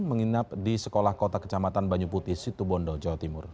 menginap di sekolah kota kecamatan banyu putih situbondo jawa timur